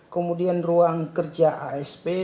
kemudian ruang kerja asp